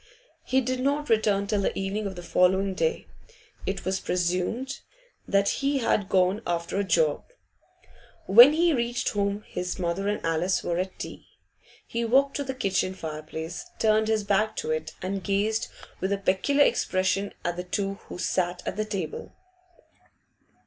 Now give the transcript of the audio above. He did not return till the evening of the following day. It was presumed that he had gone 'after a job.' When he reached home his mother and Alice were at tea. He walked to the kitchen fireplace, turned his back to it, and gazed with a peculiar expression at the two who sat at table.